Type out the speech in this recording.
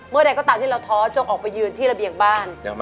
ใดก็ตามที่เราท้อจงออกไปยืนที่ระเบียงบ้าน